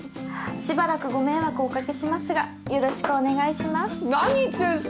しばらくご迷惑をおかけしますがよろしくお願いします。